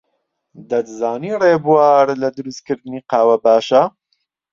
دەتزانی ڕێبوار لە دروستکردنی قاوە باشە؟